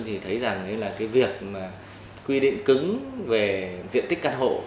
thì thấy rằng việc quy định cứng về diện tích căn hộ